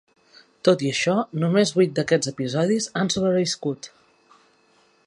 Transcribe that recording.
Tot i això, només vuit d'aquests episodis han sobreviscut.